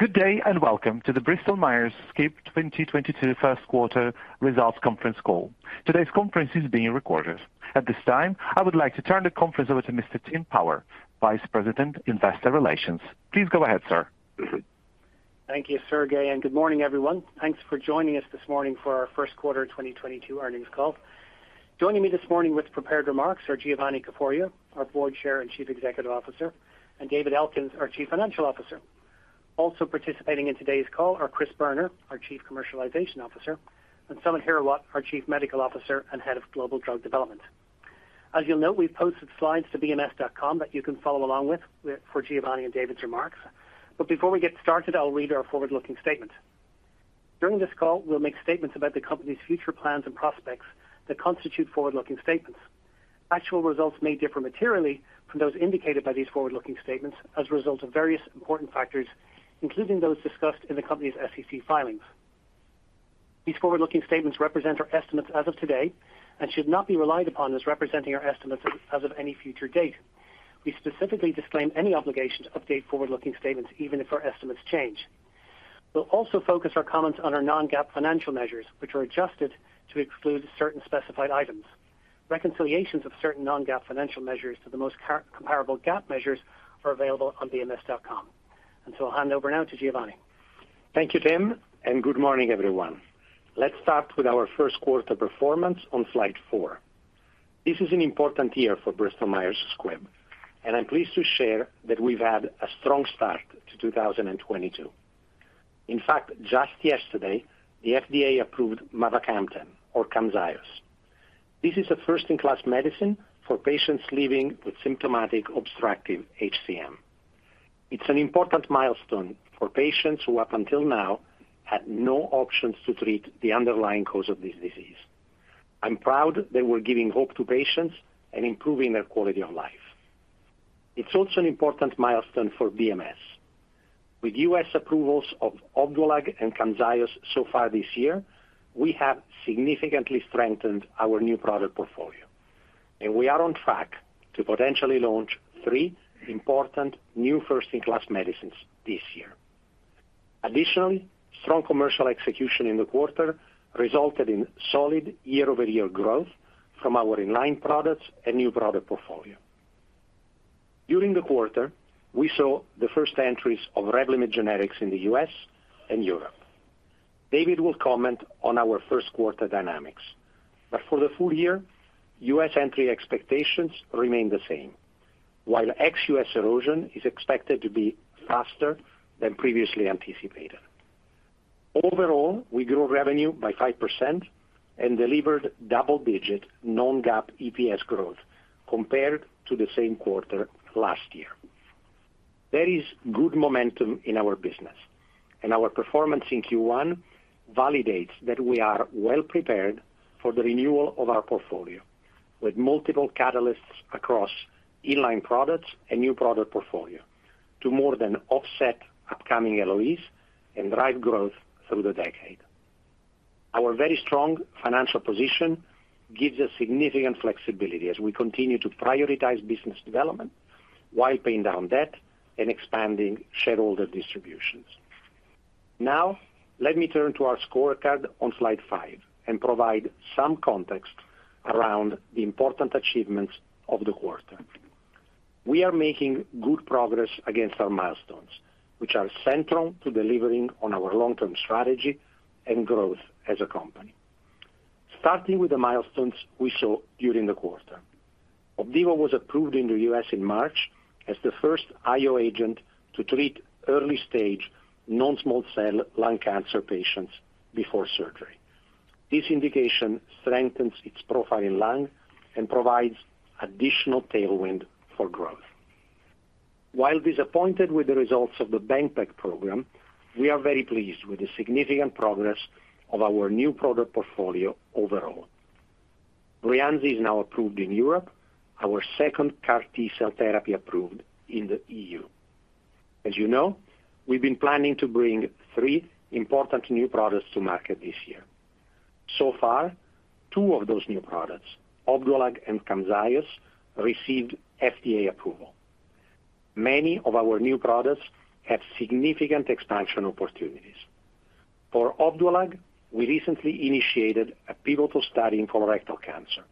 Good day, and welcome to the Bristol-Myers Squibb 2022 first quarter results conference call. Today's conference is being recorded. At this time, I would like to turn the conference over to Mr. Tim Power, Vice President, Investor Relations. Please go ahead, sir. Thank you, Sergei, and good morning, everyone. Thanks for joining us this morning for our first quarter 2022 earnings call. Joining me this morning with prepared remarks are Giovanni Caforio, our Board Chair and Chief Executive Officer, and David Elkins, our Chief Financial Officer. Also participating in today's call are Chris Boerner, our Chief Commercialization Officer, and Samit Hirawat, our Chief Medical Officer and Head of Global Drug Development. As you'll note, we've posted slides to bms.com that you can follow along with for Giovanni and David's remarks. Before we get started, I'll read our forward-looking statement. During this call, we'll make statements about the company's future plans and prospects that constitute forward-looking statements. Actual results may differ materially from those indicated by these forward-looking statements as a result of various important factors, including those discussed in the company's SEC filings. These forward-looking statements represent our estimates as of today and should not be relied upon as representing our estimates as of any future date. We specifically disclaim any obligation to update forward-looking statements, even if our estimates change. We'll also focus our comments on our non-GAAP financial measures, which are adjusted to exclude certain specified items. Reconciliations of certain non-GAAP financial measures to the most comparable GAAP measures are available on bms.com. I'll hand over now to Giovanni. Thank you, Tim, and good morning, everyone. Let's start with our first quarter performance on slide 4. This is an important year for Bristol-Myers Squibb, and I'm pleased to share that we've had a strong start to 2022. In fact, just yesterday, the FDA approved mavacamten or Camzyos. This is a first-in-class medicine for patients living with symptomatic obstructive HCM. It's an important milestone for patients who up until now had no options to treat the underlying cause of this disease. I'm proud that we're giving hope to patients and improving their quality of life. It's also an important milestone for BMS. With US approvals of Opdualag and Camzyos so far this year, we have significantly strengthened our new product portfolio. We are on track to potentially launch three important new first-in-class medicines this year. Additionally, strong commercial execution in the quarter resulted in solid year-over-year growth from our in-line products and new product portfolio. During the quarter, we saw the first entries of Revlimid generics in the U.S. and Europe. David will comment on our first quarter dynamics. For the full year, U.S. entry expectations remain the same. While ex-U.S. erosion is expected to be faster than previously anticipated. Overall, we grew revenue by 5% and delivered double-digit non-GAAP EPS growth compared to the same quarter last year. There is good momentum in our business, and our performance in Q1 validates that we are well prepared for the renewal of our portfolio with multiple catalysts across in-line products and new product portfolio to more than offset upcoming LOEs and drive growth through the decade. Our very strong financial position gives us significant flexibility as we continue to prioritize business development, while paying down debt and expanding shareholder distributions. Now, let me turn to our scorecard on slide five and provide some context around the important achievements of the quarter. We are making good progress against our milestones, which are central to delivering on our long-term strategy and growth as a company. Starting with the milestones we saw during the quarter. Opdivo was approved in the U.S. in March as the first IO agent to treat early-stage non-small cell lung cancer patients before surgery. This indication strengthens its profile in lung and provides additional tailwind for growth. While disappointed with the results of the BEMPEG program, we are very pleased with the significant progress of our new product portfolio overall. Breyanzi is now approved in Europe, our second CAR T-cell therapy approved in the E.U. As you know, we've been planning to bring three important new products to market this year. So far, two of those new products, Opdualag and Camzyos, received FDA approval. Many of our new products have significant expansion opportunities. For Opdualag, we recently initiated a pivotal study in colorectal cancer,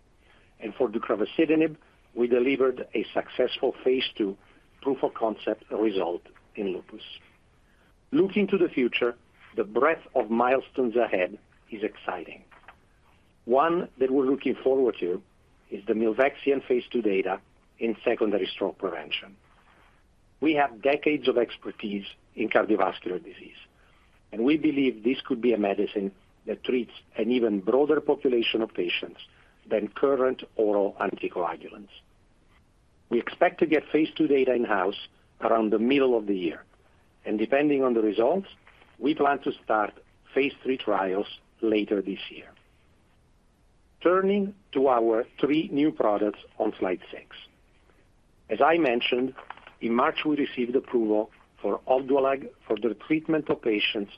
and for deucravacitinib, we delivered a successful phase 2 proof-of-concept result in lupus. Looking to the future, the breadth of milestones ahead is exciting. One that we're looking forward to is the milvexian phase 2 data in secondary stroke prevention. We have decades of expertise in cardiovascular disease, and we believe this could be a medicine that treats an even broader population of patients than current oral anticoagulants. We expect to get phase 2 data in-house around the middle of the year, and depending on the results, we plan to start phase 3 trials later this year. Turning to our three new products on slide six. As I mentioned, in March, we received approval for Opdualag for the treatment of patients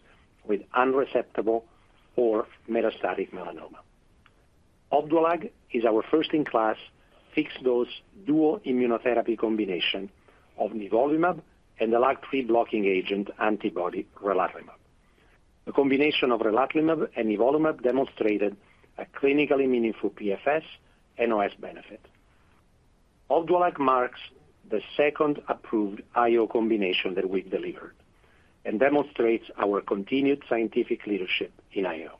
with unresectable or metastatic melanoma. Opdualag is our first-in-class fixed-dose dual immunotherapy combination of nivolumab and the LAG-3 blocking agent antibody relatlimab. The combination of relatlimab and nivolumab demonstrated a clinically meaningful PFS and OS benefit. Opdualag marks the second approved IO combination that we've delivered and demonstrates our continued scientific leadership in IO.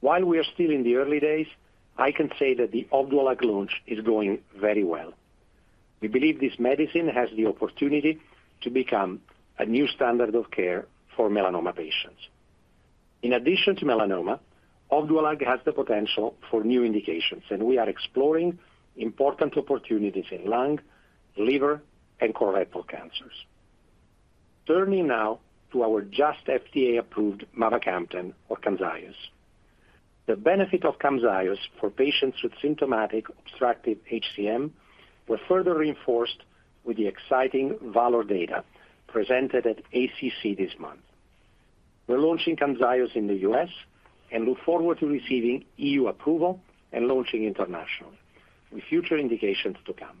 While we are still in the early days, I can say that the Opdualag launch is going very well. We believe this medicine has the opportunity to become a new standard of care for melanoma patients. In addition to melanoma, Opdualag has the potential for new indications, and we are exploring important opportunities in lung, liver, and colorectal cancers. Turning now to our just FDA-approved mavacamten or Camzyos. The benefit of Camzyos for patients with symptomatic obstructive HCM were further reinforced with the exciting VALOR-HCM data presented at ACC this month. We're launching Camzyos in the U.S. and look forward to receiving EU approval and launching international, with future indications to come.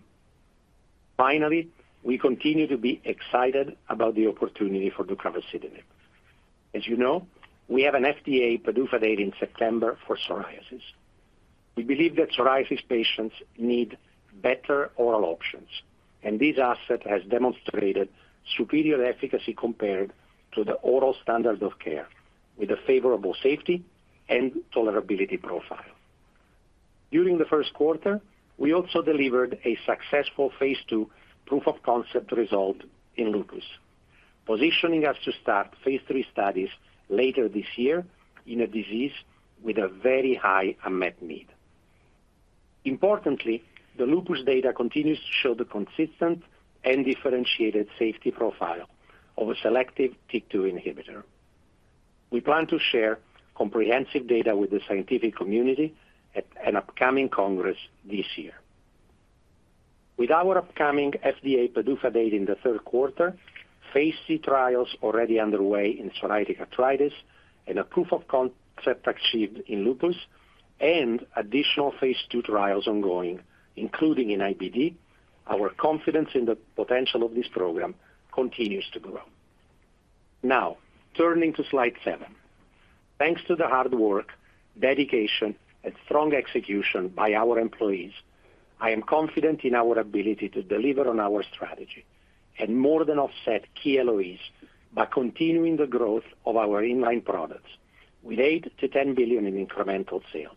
Finally, we continue to be excited about the opportunity for deucravacitinib. As you know, we have an FDA PDUFA date in September for psoriasis. We believe that psoriasis patients need better oral options, and this asset has demonstrated superior efficacy compared to the oral standard of care with a favorable safety and tolerability profile. During the first quarter, we also delivered a successful phase two proof-of-concept result in lupus, positioning us to start phase three studies later this year in a disease with a very high unmet need. Importantly, the lupus data continues to show the consistent and differentiated safety profile of a selective TYK2 inhibitor. We plan to share comprehensive data with the scientific community at an upcoming congress this year. With our upcoming FDA PDUFA date in the third quarter, phase three trials already underway in psoriatic arthritis and a proof of concept achieved in lupus and additional phase two trials ongoing, including in IBD, our confidence in the potential of this program continues to grow. Now, turning to slide seven. Thanks to the hard work, dedication, and strong execution by our employees, I am confident in our ability to deliver on our strategy and more than offset key LOEs by continuing the growth of our in-line products with $8 billion-$10 billion in incremental sales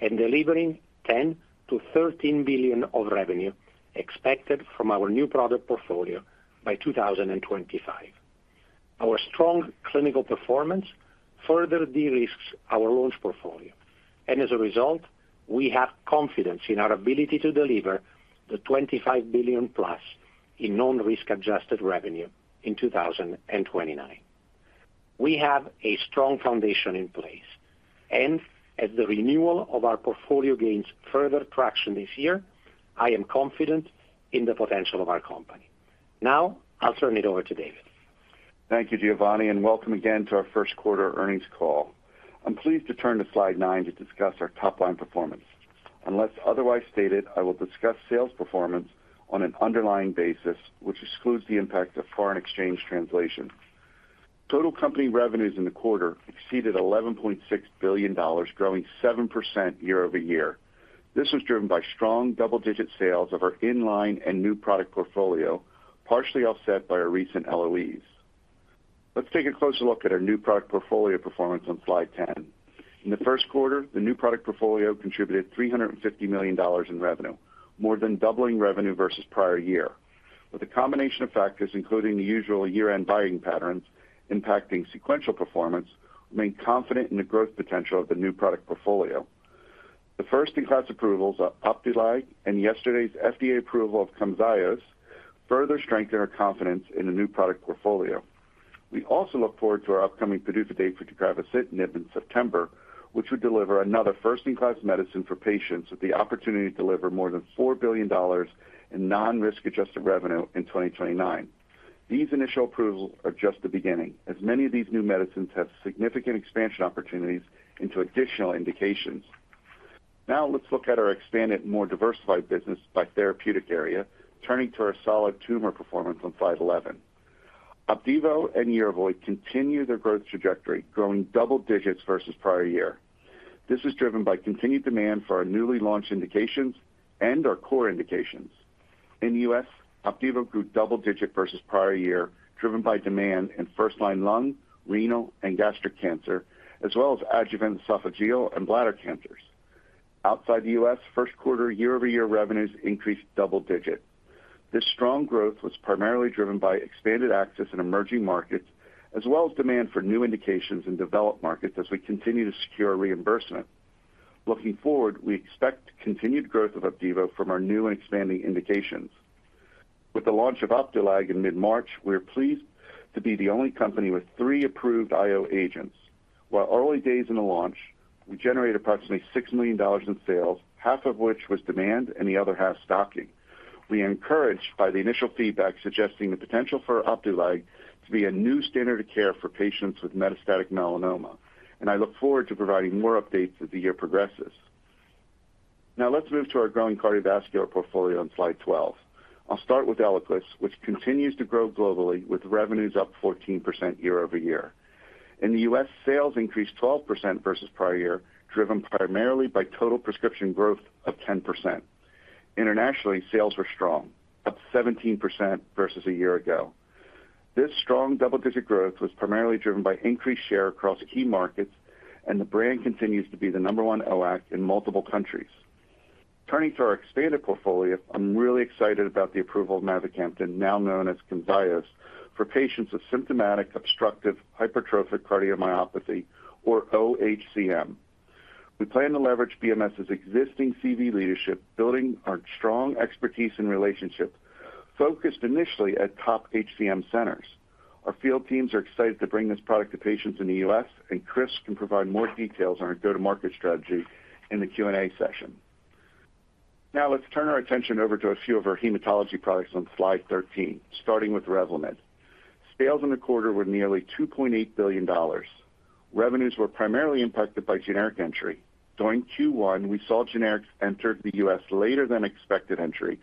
and delivering $10 billion-$13 billion of revenue expected from our new product portfolio by 2025. Our strong clinical performance further de-risks our launch portfolio. As a result, we have confidence in our ability to deliver the $25 billion-plus in non-risk adjusted revenue in 2029. We have a strong foundation in place, and as the renewal of our portfolio gains further traction this year, I am confident in the potential of our company. Now, I'll turn it over to David. Thank you, Giovanni, and welcome again to our first quarter earnings call. I'm pleased to turn to slide 9 to discuss our top line performance. Unless otherwise stated, I will discuss sales performance on an underlying basis, which excludes the impact of foreign exchange translation. Total company revenues in the quarter exceeded $11.6 billion, growing 7% year-over-year. This was driven by strong double-digit sales of our in-line and new product portfolio, partially offset by our recent LOEs. Let's take a closer look at our new product portfolio performance on slide 10. In the first quarter, the new product portfolio contributed $350 million in revenue, more than doubling revenue versus prior year. With a combination of factors, including the usual year-end buying patterns impacting sequential performance, we remain confident in the growth potential of the new product portfolio. The first-in-class approvals of Opdualag and yesterday's FDA approval of Camzyos further strengthen our confidence in the new product portfolio. We also look forward to our upcoming PDUFA date for deucravacitinib in September, which would deliver another first-in-class medicine for patients with the opportunity to deliver more than $4 billion in non-risk adjusted revenue in 2029. These initial approvals are just the beginning, as many of these new medicines have significant expansion opportunities into additional indications. Now let's look at our expanded, more diversified business by therapeutic area, turning to our solid tumor performance on slide 11. Opdivo and Yervoy continue their growth trajectory, growing double digits versus prior year. This is driven by continued demand for our newly launched indications and our core indications. In the U.S., Opdivo grew double-digit versus prior year, driven by demand in first-line lung, renal, and gastric cancer, as well as adjuvant esophageal and bladder cancers. Outside the U.S., first-quarter year-over-year revenues increased double-digit. This strong growth was primarily driven by expanded access in emerging markets, as well as demand for new indications in developed markets as we continue to secure reimbursement. Looking forward, we expect continued growth of Opdivo from our new and expanding indications. With the launch of Opdualag in mid-March, we're pleased to be the only company with three approved IO agents. While early days in the launch, we generated approximately $6 million in sales, half of which was demand and the other half stocking. We're encouraged by the initial feedback suggesting the potential for Opdualag to be a new standard of care for patients with metastatic melanoma, and I look forward to providing more updates as the year progresses. Now let's move to our growing cardiovascular portfolio on slide 12. I'll start with Eliquis, which continues to grow globally with revenues up 14% year-over-year. In the U.S., sales increased 12% versus prior year, driven primarily by total prescription growth of 10%. Internationally, sales were strong, up 17% versus a year ago. This strong double-digit growth was primarily driven by increased share across key markets, and the brand continues to be the number one OAC in multiple countries. Turning to our expanded portfolio, I'm really excited about the approval of mavacamten, now known as Camzyos, for patients with symptomatic obstructive hypertrophic cardiomyopathy, or OHCM. We plan to leverage BMS' existing CV leadership, building our strong expertise and relationship focused initially at top HCM centers. Our field teams are excited to bring this product to patients in the U.S., and Chris can provide more details on our go-to-market strategy in the Q&A session. Now let's turn our attention over to a few of our hematology products on slide 13, starting with Revlimid. Sales in the quarter were nearly $2.8 billion. Revenues were primarily impacted by generic entry. During Q1, we saw generics enter the U.S. later than expected entry,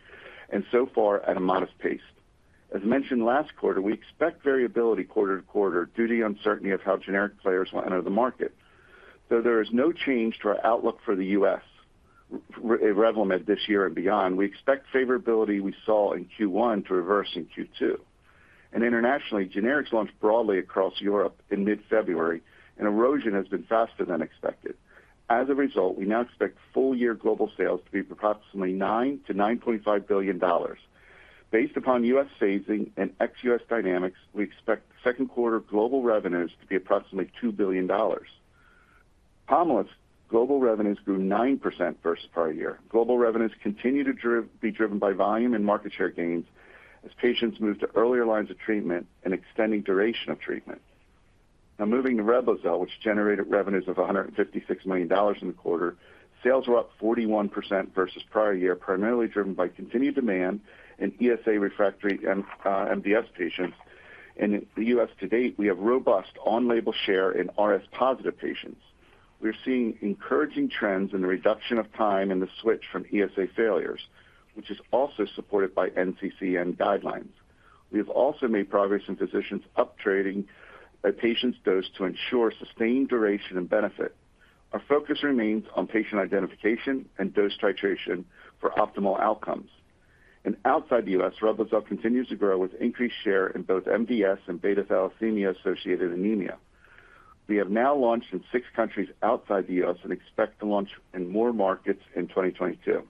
and so far at a modest pace. As mentioned last quarter, we expect variability quarter to quarter due to the uncertainty of how generic players will enter the market. Though there is no change to our outlook for the US Revlimid this year and beyond, we expect favorability we saw in Q1 to reverse in Q2. Internationally, generics launched broadly across Europe in mid-February, and erosion has been faster than expected. As a result, we now expect full-year global sales to be approximately $9-$9.5 billion. Based upon U.S. phasing and ex-U.S. dynamics, we expect second quarter global revenues to be approximately $2 billion. Pomalyst global revenues grew 9% versus prior year. Global revenues continue to be driven by volume and market share gains as patients move to earlier lines of treatment and extending duration of treatment. Now moving to Reblozyl, which generated revenues of $156 million in the quarter. Sales were up 41% versus prior year, primarily driven by continued demand in ESA refractory and MDS patients. In the U.S... To date, we have robust on-label share in RS-positive patients. We're seeing encouraging trends in the reduction of time in the switch from ESA failures, which is also supported by NCCN guidelines. We have also made progress in physicians up-titrating a patient's dose to ensure sustained duration and benefit. Our focus remains on patient identification and dose titration for optimal outcomes. Outside the U.S., Reblozyl continues to grow with increased share in both MDS and beta thalassemia-associated anemia. We have now launched in six countries outside the US and expect to launch in more markets in 2022.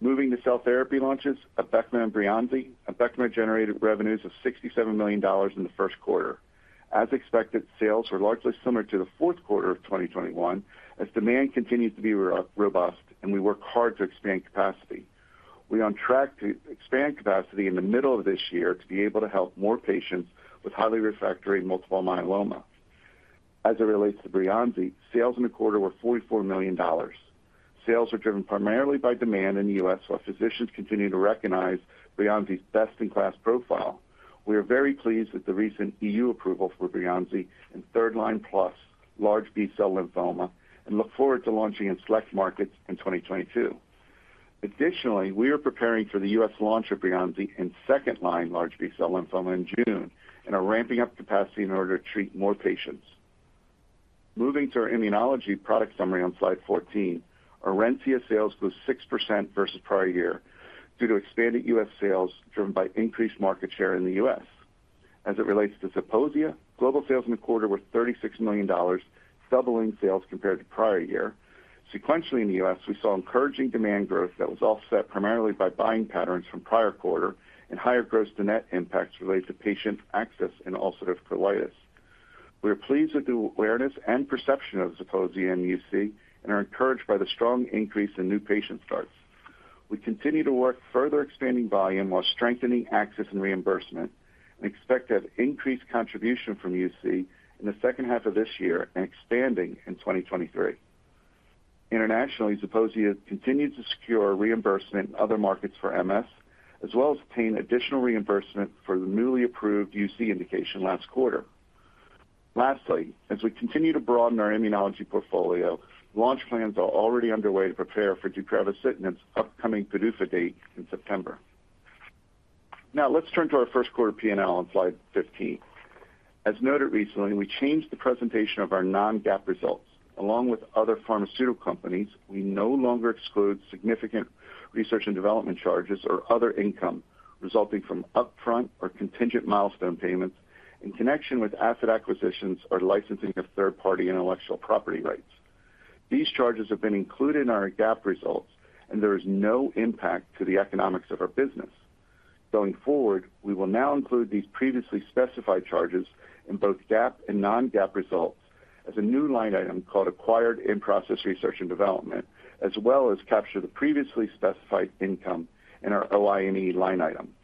Moving to cell therapy launches, Abecma and Breyanzi. Abecma generated revenues of $67 million in the first quarter. As expected, sales were largely similar to the fourth quarter of 2021 as demand continues to be robust, and we work hard to expand capacity. We're on track to expand capacity in the middle of this year to be able to help more patients with highly refractory multiple myeloma. As it relates to Breyanzi, sales in the quarter were $44 million. Sales were driven primarily by demand in the U.S., while physicians continue to recognize Breyanzi's best-in-class profile. We are very pleased with the recent EU approval for Breyanzi in third-line plus large B-cell lymphoma and look forward to launching in select markets in 2022. Additionally, we are preparing for the U.S. launch of Breyanzi in second-line large B-cell lymphoma in June and are ramping up capacity in order to treat more patients. Moving to our immunology product summary on slide 14, Orencia sales grew 6% versus prior year due to expanded U.S. sales driven by increased market share in the U.S. As it relates to Zeposia, global sales in the quarter were $36 million, doubling sales compared to prior year. Sequentially in the U.S., we saw encouraging demand growth that was offset primarily by buying patterns from prior quarter and higher gross to net impacts related to patient access in ulcerative colitis. We are pleased with the awareness and perception of Zeposia in UC and are encouraged by the strong increase in new patient starts. We continue to work further expanding volume while strengthening access and reimbursement. We expect to have increased contribution from UC in the second half of this year and expanding in 2023. Internationally, Zeposia continued to secure reimbursement in other markets for MS, as well as obtain additional reimbursement for the newly approved UC indication last quarter. Lastly, as we continue to broaden our immunology portfolio, launch plans are already underway to prepare for deucravacitinib's upcoming PDUFA date in September. Now let's turn to our first quarter P&L on slide 15. As noted recently, we changed the presentation of our non-GAAP results. Along with other pharmaceutical companies, we no longer exclude significant research and development charges or other income resulting from upfront or contingent milestone payments in connection with asset acquisitions or licensing of third-party intellectual property rights. These charges have been included in our GAAP results, and there is no impact to the economics of our business. Going forward, we will now include these previously specified charges in both GAAP and non-GAAP results as a new line item called Acquired In-Process Research and Development, as well as capture the previously specified income in our OI&E line item.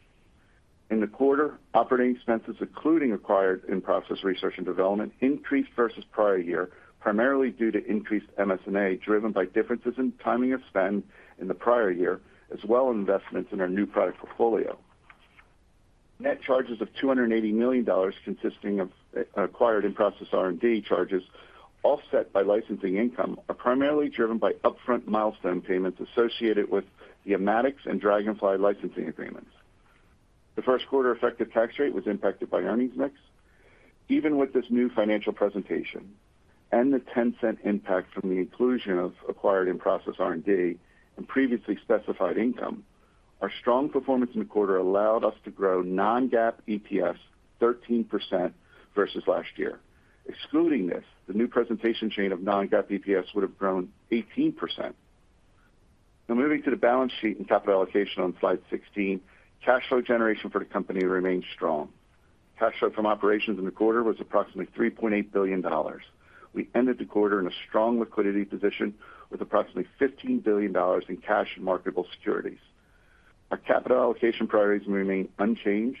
In the quarter, operating expenses, including Acquired In-Process Research and Development, increased versus prior year, primarily due to increased MS&A, driven by differences in timing of spend in the prior year, as well as investments in our new product portfolio. Net charges of $280 million consisting of acquired in-process R&D charges, offset by licensing income, are primarily driven by upfront milestone payments associated with the Immatics and Dragonfly licensing agreements. The first quarter effective tax rate was impacted by earnings mix Even with this new financial presentation and the $0.10 impact from the inclusion of acquired in-process R&D and previously specified income, our strong performance in the quarter allowed us to grow non-GAAP EPS 13% versus last year. Excluding this, the new presentation change of non-GAAP EPS would have grown 18%. Now moving to the balance sheet and capital allocation on slide 16. Cash flow generation for the company remains strong. Cash flow from operations in the quarter was approximately $3.8 billion. We ended the quarter in a strong liquidity position with approximately $15 billion in cash and marketable securities. Our capital allocation priorities remain unchanged.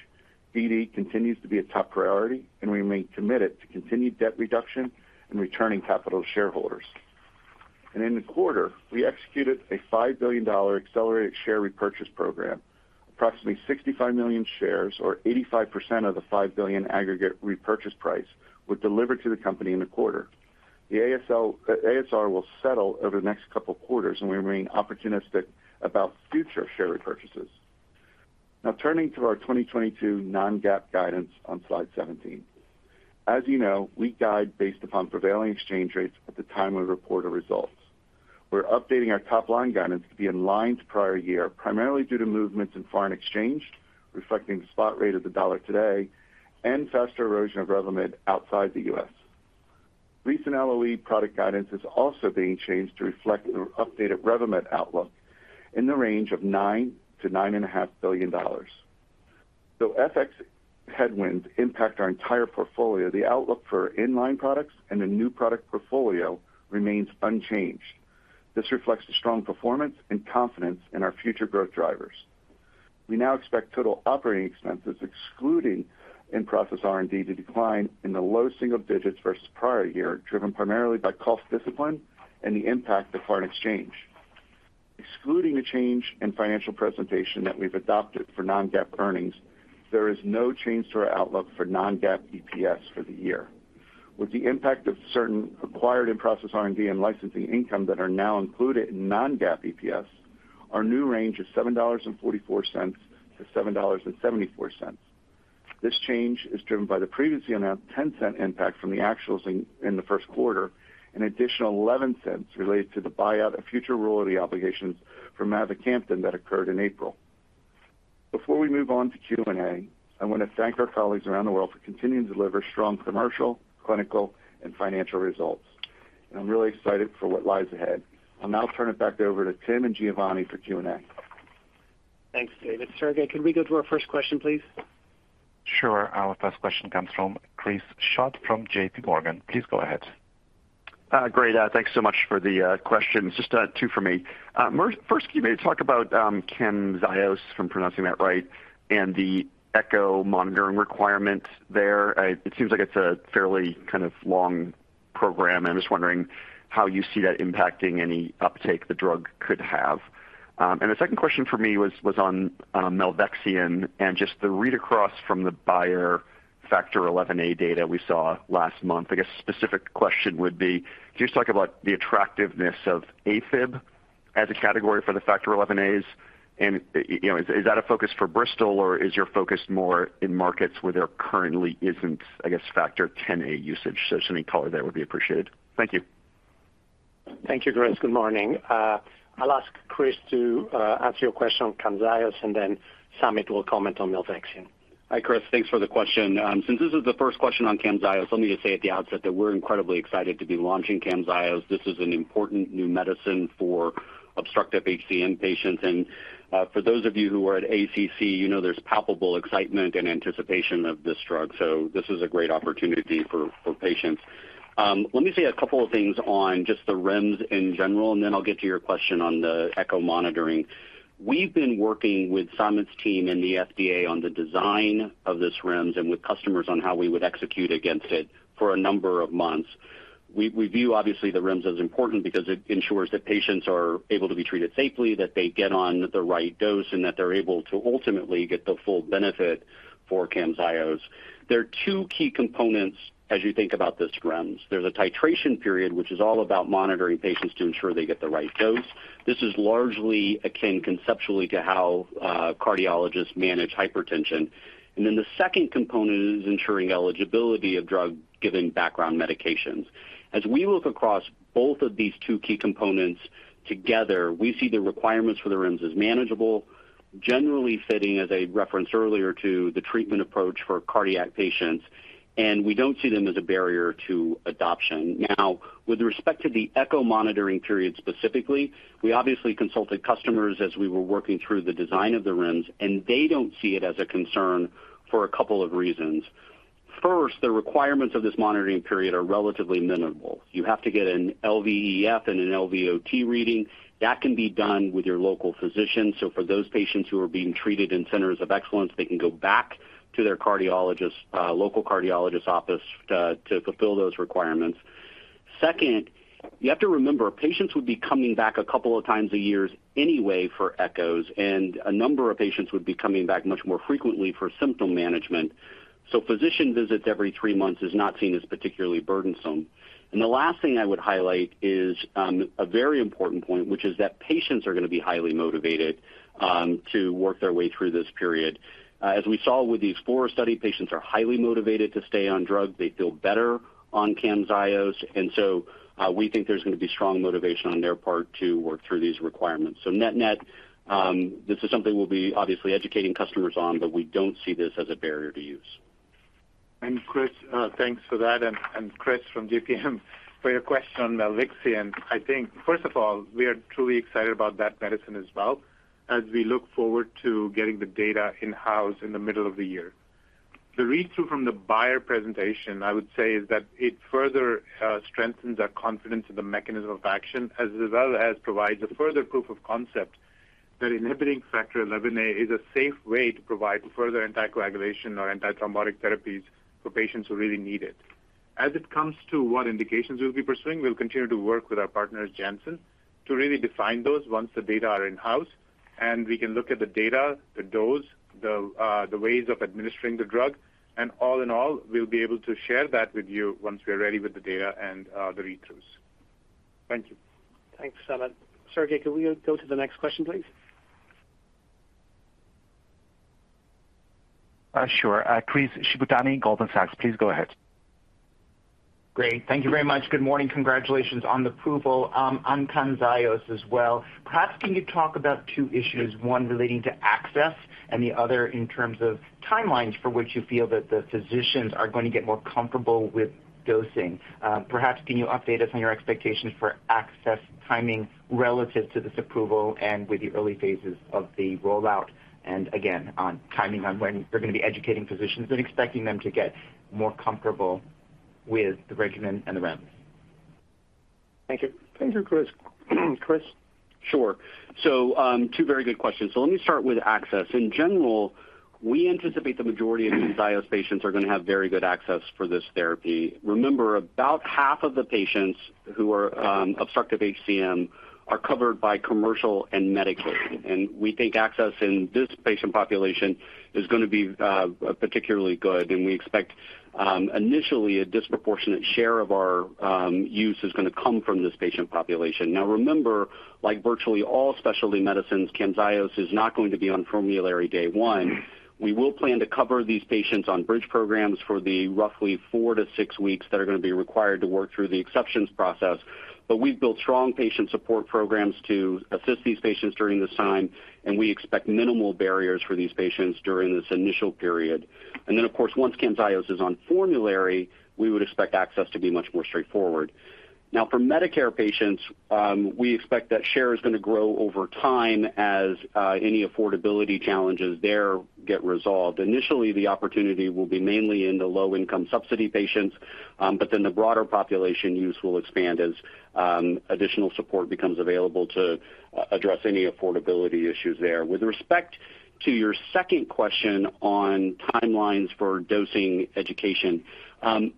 BD continues to be a top priority, and we remain committed to continued debt reduction and returning capital to shareholders. In the quarter, we executed a $5 billion accelerated share repurchase program. Approximately 65 million shares or 85% of the $5 billion aggregate repurchase price were delivered to the company in the quarter. The ASR will settle over the next couple of quarters, and we remain opportunistic about future share repurchases. Now turning to our 2022 non-GAAP guidance on slide 17. As you know, we guide based upon prevailing exchange rates at the time we report our results. We're updating our top-line guidance to be in line with prior year, primarily due to movements in foreign exchange, reflecting the spot rate of the dollar today and faster erosion of Revlimid outside the U.S. Recent LOE product guidance is also being changed to reflect the updated Revlimid outlook in the range of $9 billion-$9.5 billion. Though FX headwinds impact our entire portfolio, the outlook for in-line products and the new product portfolio remains unchanged. This reflects the strong performance and confidence in our future growth drivers. We now expect total operating expenses excluding in-process R&D to decline in the low single digits% versus prior year, driven primarily by cost discipline and the impact of foreign exchange. Excluding the change in financial presentation that we've adopted for non-GAAP earnings, there is no change to our outlook for non-GAAP EPS for the year. With the impact of certain acquired in-process R&D and licensing income that are now included in non-GAAP EPS, our new range is $7.44-$7.74. This change is driven by the previously announced $0.10 impact from the actuals in the first quarter, an additional $0.11 related to the buyout of future royalty obligations from mavacamten that occurred in April. Before we move on to Q&A, I want to thank our colleagues around the world for continuing to deliver strong commercial, clinical and financial results. I'm really excited for what lies ahead. I'll now turn it back over to Tim and Giovanni for Q&A. Thanks, David. Sergei, can we go to our first question, please? Sure. Our first question comes from Chris Schott from JP Morgan. Please go ahead. Great. Thanks so much for the questions. Just two for me. First, can you maybe talk about Camzyos, if I'm pronouncing that right, and the echo monitoring requirement there? It seems like it's a fairly kind of long program, and I'm just wondering how you see that impacting any uptake the drug could have. And the second question for me was on Milvexian and just the read across from the Bayer Factor XIa data we saw last month. I guess specific question would be, can you just talk about the attractiveness of AFib as a category for the Factor XIas? And you know, is that a focus for Bristol, or is your focus more in markets where there currently isn't, I guess, Factor Xa usage? So just any color there would be appreciated. Thank you. Thank you, Chris. Good morning. I'll ask Chris to answer your question on Camzyos, and then Samit will comment on milvexian. Hi, Chris. Thanks for the question. Since this is the first question on Camzyos, let me just say at the outset that we're incredibly excited to be launching Camzyos. This is an important new medicine for obstructive HCM patients. For those of you who are at ACC, you know there's palpable excitement and anticipation of this drug. This is a great opportunity for patients. Let me say a couple of things on just the REMS in general, and then I'll get to your question on the echo monitoring. We've been working with Samit's team and the FDA on the design of this REMS and with customers on how we would execute against it for a number of months. We view obviously the REMS as important because it ensures that patients are able to be treated safely, that they get on the right dose, and that they're able to ultimately get the full benefit for Camzyos. There are two key components as you think about this REMS. There's a titration period, which is all about monitoring patients to ensure they get the right dose. This is largely akin conceptually to how cardiologists manage hypertension. The second component is ensuring eligibility of drug-given background medications. As we look across both of these two key components together, we see the requirements for the REMS as manageable, generally fitting, as I referenced earlier, to the treatment approach for cardiac patients, and we don't see them as a barrier to adoption. Now, with respect to the echo monitoring period specifically, we obviously consulted customers as we were working through the design of the REMS, and they don't see it as a concern for a couple of reasons. First, the requirements of this monitoring period are relatively minimal. You have to get an LVEF and an LVOT reading. That can be done with your local physician. For those patients who are being treated in centers of excellence, they can go back to their cardiologist, local cardiologist office to fulfill those requirements. Second, you have to remember, patients would be coming back a couple of times a year anyway for echoes, and a number of patients would be coming back much more frequently for symptom management. Physician visits every three months is not seen as particularly burdensome. The last thing I would highlight is a very important point, which is that patients are going to be highly motivated to work their way through this period. As we saw with these four study patients are highly motivated to stay on drug. They feel better on Camzyos, and so we think there's going to be strong motivation on their part to work through these requirements. Net-net, this is something we'll be obviously educating customers on, but we don't see this as a barrier to use. Chris, thanks for that. Chris from JPM for your question on milvexian. I think first of all, we are truly excited about that medicine as well, as we look forward to getting the data in-house in the middle of the year. The read-through from the Bayer presentation, I would say, is that it further strengthens our confidence in the mechanism of action, as well as provides a further proof of concept that inhibiting Factor XIa is a safe way to provide further anticoagulation or antithrombotic therapies for patients who really need it. As it comes to what indications we'll be pursuing, we'll continue to work with our partners, Janssen, to really define those once the data are in-house and we can look at the data, the dose, the ways of administering the drug. All in all, we'll be able to share that with you once we are ready with the data and, the read-throughs. Thank you. Thanks, Samit. Sergei, could we go to the next question, please? Sure. Chris Shibutani, Goldman Sachs, please go ahead. Great. Thank you very much. Good morning. Congratulations on the approval on Camzyos as well. Perhaps can you talk about two issues, one relating to access and the other in terms of timelines for which you feel that the physicians are going to get more comfortable with dosing? Perhaps can you update us on your expectations for access timing relative to this approval and with the early phases of the rollout? Again, on timing on when you're going to be educating physicians and expecting them to get more comfortable with the regimen and the REMS. Thank you. Thank you, Chris. Chris? Sure. Two very good questions. Let me start with access. In general, we anticipate the majority of Camzyos patients are going to have very good access for this therapy. Remember, about half of the patients who are obstructive HCM are covered by commercial and Medicaid. We think access in this patient population is going to be particularly good, and we expect initially a disproportionate share of our use is going to come from this patient population. Now remember, like virtually all specialty medicines, Camzyos is not going to be on formulary day one. We will plan to cover these patients on bridge programs for the roughly four to six weeks that are going to be required to work through the exceptions process. We've built strong patient support programs to assist these patients during this time, and we expect minimal barriers for these patients during this initial period. Then of course, once Camzyos is on formulary, we would expect access to be much more straightforward. Now for Medicare patients, we expect that share is going to grow over time as any affordability challenges there get resolved. Initially, the opportunity will be mainly in the low-income subsidy patients, but then the broader population use will expand as additional support becomes available to address any affordability issues there. With respect to your second question on timelines for dosing education,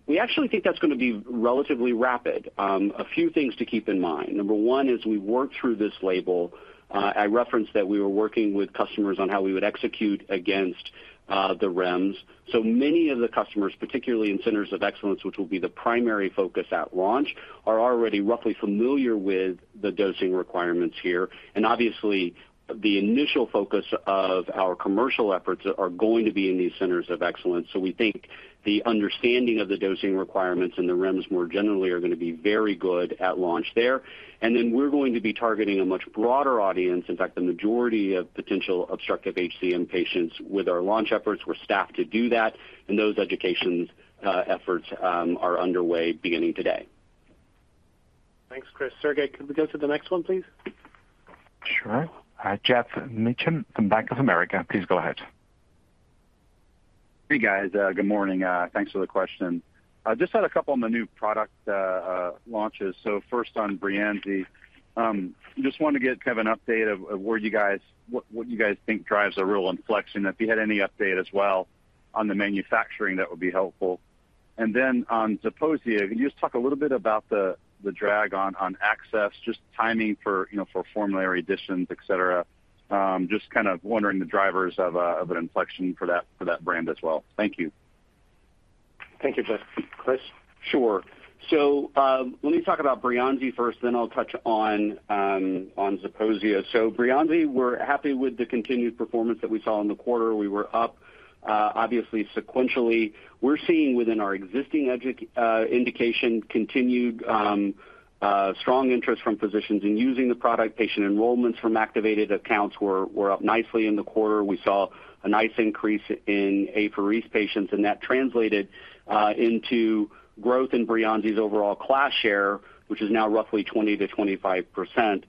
we actually think that's going to be relatively rapid. A few things to keep in mind. Number one, as we work through this label, I referenced that we were working with customers on how we would execute against the REMS. Many of the customers, particularly in centers of excellence, which will be the primary focus at launch, are already roughly familiar with the dosing requirements here. Obviously the initial focus of our commercial efforts are going to be in these centers of excellence. We think the understanding of the dosing requirements and the REMS more generally are going to be very good at launch there. Then we're going to be targeting a much broader audience. In fact, the majority of potential obstructive HCM patients with our launch efforts we're staffed to do that, and those education efforts are underway beginning today. Thanks, Chris. Sergei, could we go to the next one, please? Sure. Geoff Meacham from Bank of America. Please go ahead. Hey, guys. Good morning. Thanks for the question. Just had a couple on the new product launches. First on Breyanzi. Just wanted to get kind of an update on what you guys think drives the real inflection. If you had any update as well on the manufacturing, that would be helpful. On Zeposia, can you just talk a little bit about the drag on access, just timing for, you know, for formulary additions, et cetera. Just kind of wondering the drivers of an inflection for that brand as well. Thank you. Thank you, Geoff. Chris? Sure. Let me talk about Breyanzi first, then I'll touch on Zeposia. Breyanzi, we're happy with the continued performance that we saw in the quarter. We were up obviously sequentially. We're seeing within our existing indication, continued strong interest from physicians in using the product. Patient enrollments from activated accounts were up nicely in the quarter. We saw a nice increase in apheresis patients, and that translated into growth in Breyanzi's overall class share, which is now roughly 20%-25%.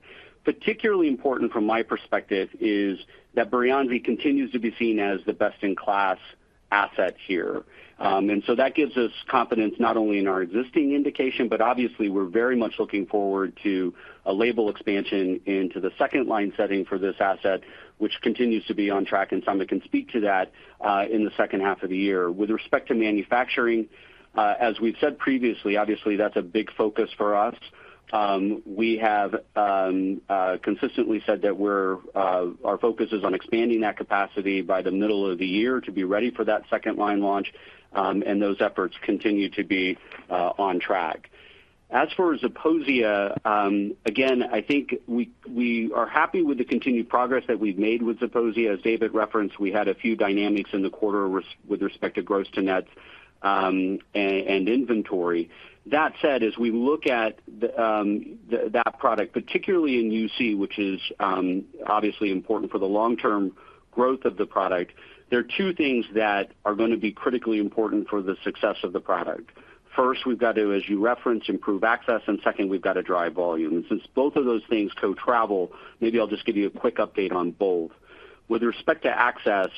Particularly important from my perspective is that Breyanzi continues to be seen as the best-in-class asset here. That gives us confidence not only in our existing indication, but obviously, we're very much looking forward to a label expansion into the second line setting for this asset, which continues to be on track, and Samit can speak to that in the second half of the year. With respect to manufacturing, as we've said previously, obviously that's a big focus for us. We have consistently said that our focus is on expanding that capacity by the middle of the year to be ready for that second line launch, and those efforts continue to be on track. As for Zeposia, again, I think we are happy with the continued progress that we've made with Zeposia. As David referenced, we had a few dynamics in the quarter with respect to gross to net, and inventory. That said, as we look at the that product, particularly in UC, which is obviously important for the long-term growth of the product, there are two things that are gonna be critically important for the success of the product. First, we've got to, as you referenced, improve access, and second, we've got to drive volume. Since both of those things co-travel, maybe I'll just give you a quick update on both. With respect to access,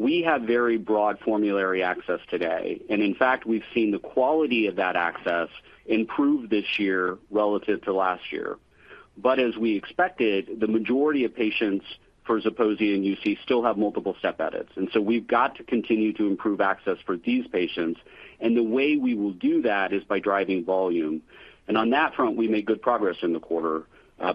we have very broad formulary access today, and in fact, we've seen the quality of that access improve this year relative to last year. As we expected, the majority of patients for Zeposia in UC still have multiple step edits. We've got to continue to improve access for these patients, and the way we will do that is by driving volume. On that front, we made good progress in the quarter.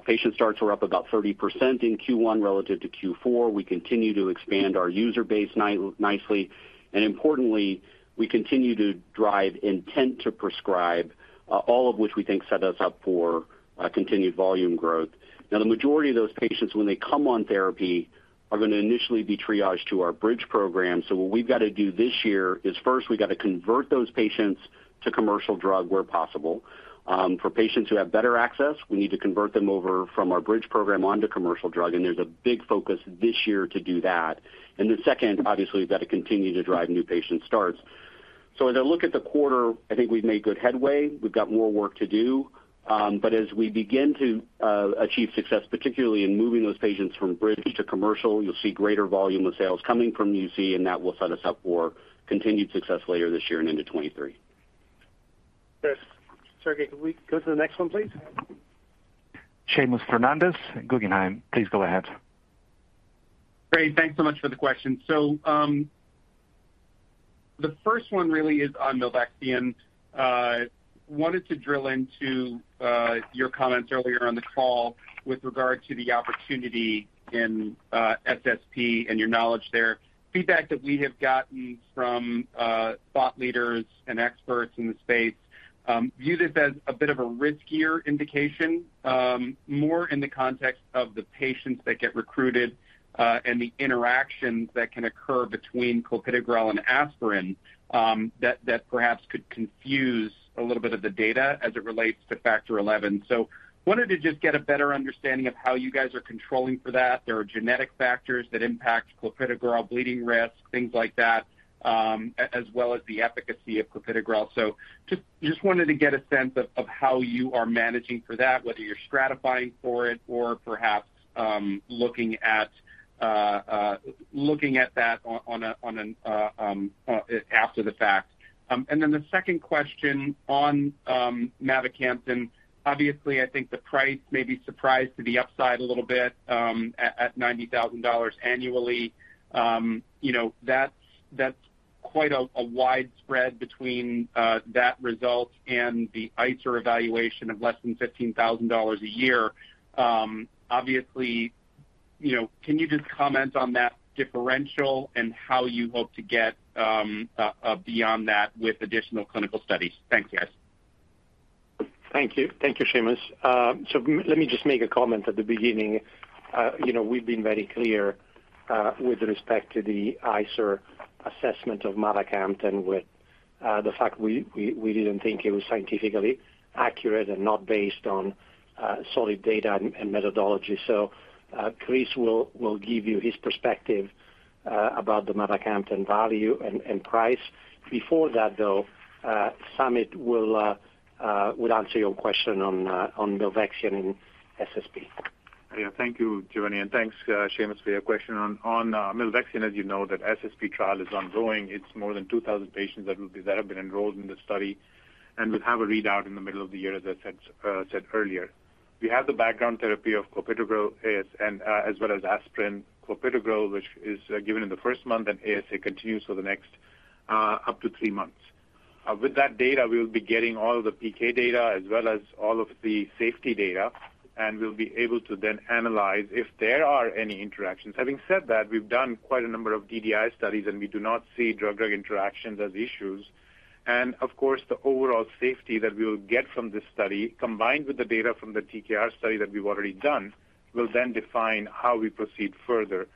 Patient starts were up about 30% in Q1 relative to Q4. We continue to expand our user base nicely, and importantly, we continue to drive intent to prescribe, all of which we think set us up for continued volume growth. Now, the majority of those patients, when they come on therapy, are gonna initially be triaged to our Bridge program. So what we've got to do this year is first, we got to convert those patients to commercial drug where possible. For patients who have better access, we need to convert them over from our Bridge program onto commercial drug, and there's a big focus this year to do that. Then second, obviously, we've got to continue to drive new patient starts. As I look at the quarter, I think we've made good headway. We've got more work to do, but as we begin to achieve success, particularly in moving those patients from Bridge to commercial, you'll see greater volume of sales coming from UC, and that will set us up for continued success later this year and into 2023. Sergei, can we go to the next one, please? Seamus Fernandez, Guggenheim. Please go ahead. Great. Thanks so much for the question. The first one really is on milvexian. Wanted to drill into your comments earlier on the call with regard to the opportunity in SSP and your knowledge there. Feedback that we have gotten from thought leaders and experts in the space view this as a bit of a riskier indication, more in the context of the patients that get recruited and the interactions that can occur between clopidogrel and aspirin, that perhaps could confuse a little bit of the data as it relates to Factor XI. Wanted to just get a better understanding of how you guys are controlling for that. There are genetic factors that impact clopidogrel, bleeding risk, things like that, as well as the efficacy of clopidogrel. Just wanted to get a sense of how you are managing for that, whether you're stratifying for it or perhaps looking at that on an after the fact. Then the second question on mavacamten, obviously, I think the price may be surprised to the upside a little bit at $90,000 annually. You know, that's quite a wide spread between that result and the ICER evaluation of less than $15,000 a year. Obviously, you know, can you just comment on that differential and how you hope to get beyond that with additional clinical studies? Thanks, guys. Thank you. Thank you, Seamus. Let me just make a comment at the beginning. You know, we've been very clear with respect to the ICER assessment of mavacamten with the fact we didn't think it was scientifically accurate and not based on solid data and methodology. Chris will give you his perspective about the mavacamten value and price. Before that, though, Samit will answer your question on milvexian and SSP. Yeah. Thank you, Giovanni, and thanks, Seamus, for your question. On milvexian, as you know, that SSP trial is ongoing. It's more than 2,000 patients that have been enrolled in this study, and we'll have a readout in the middle of the year, as I said earlier. We have the background therapy of clopidogrel and ASA, as well as aspirin and clopidogrel, which is given in the first month, and ASA continues for the next up to three months. With that data, we'll be getting all the PK data as well as all of the safety data, and we'll be able to then analyze if there are any interactions. Having said that, we've done quite a number of DDI studies, and we do not see drug-drug interactions as issues. Of course, the overall safety that we'll get from this study, combined with the data from the TKR study that we've already done, will then define how we proceed further.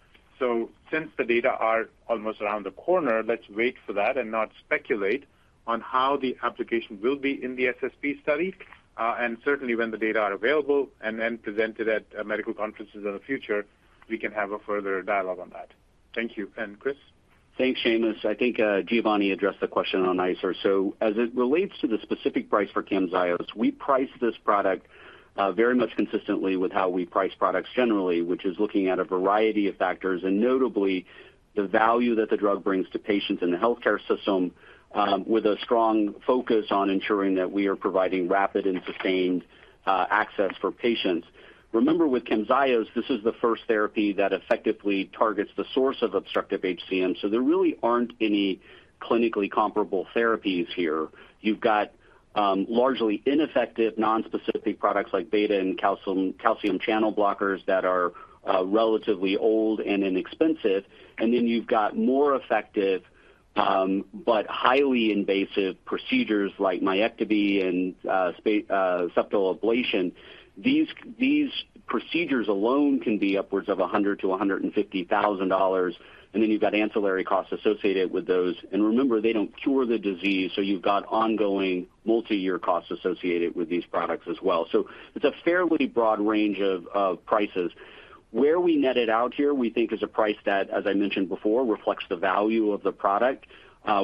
Since the data are almost around the corner, let's wait for that and not speculate on how the application will be in the SSP study. Certainly when the data are available and then presented at medical conferences in the future, we can have a further dialogue on that. Thank you. Chris? Thanks, Seamus. I think, Giovanni addressed the question on ICER. As it relates to the specific price for Camzyos, we price this product, very much consistently with how we price products generally, which is looking at a variety of factors and notably the value that the drug brings to patients in the healthcare system, with a strong focus on ensuring that we are providing rapid and sustained, access for patients. Remember, with Camzyos, this is the first therapy that effectively targets the source of obstructive HCM. There really aren't any clinically comparable therapies here. You've got, largely ineffective non-specific products like beta and calcium channel blockers that are, relatively old and inexpensive, and then you've got more effective, but highly invasive procedures like myectomy and, septal ablation. These procedures alone can be upwards of $100,000-$150,000, and then you've got ancillary costs associated with those. Remember, they don't cure the disease, so you've got ongoing multiyear costs associated with these products as well. It's a fairly broad range of prices. Where we net it out here, we think is a price that, as I mentioned before, reflects the value of the product.